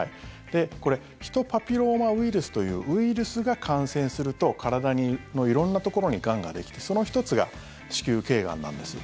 これヒトパピローマウイルスというウイルスが感染すると体の色んなところにがんができてその１つが子宮頸がんなんです。